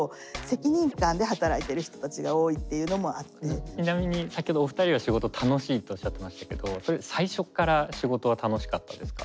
そうだから割とちなみに先ほどお二人が「仕事楽しい」っておっしゃってましたけどそれ僕は最初から楽しかったですね。